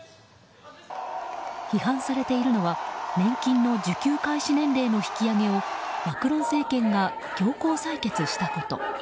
批判されているのは年金の受給開始年齢の引き上げをマクロン政権が強行採決したこと。